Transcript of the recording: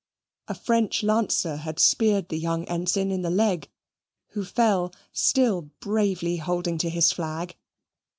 A French lancer had speared the young ensign in the leg, who fell, still bravely holding to his flag.